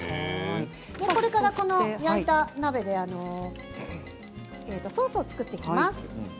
今これから焼いた鍋でソースを作っていきます。